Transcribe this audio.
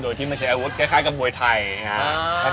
โดยพ่อไม่ใช้อาวุธมันการยืดที่สุด